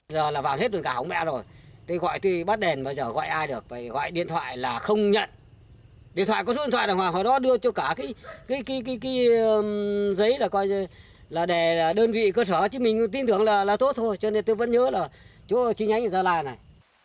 giờ là vào hết vườn cà hống mẹ rồi tôi gọi tùy bắt đèn bây giờ gọi ai được gọi điện thoại là không nhận điện thoại có số điện thoại là ngoài hồi đó đưa cho cả cái giấy là đơn vị cơ sở chứ mình tin tưởng là tốt thôi cho nên tôi vẫn nhớ là chú chí nhánh ở gia lai này